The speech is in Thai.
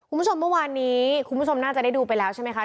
คุณผู้ชมเมื่อวานนี้คุณผู้ชมน่าจะได้ดูไปแล้วใช่ไหมคะ